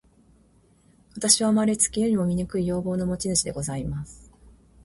私は生れつき、世にも醜い容貌の持主でございます。